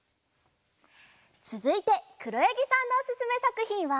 つづいてくろやぎさんのおすすめさくひんは。